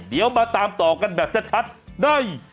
เดี๋ยวมาตามต่อกันแบบชัดได้